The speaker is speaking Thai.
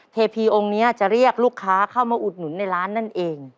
เทพีองค์นี้จะเรียกลูกค้าเข้ามาอุดหนุนในร้านนั่นเอง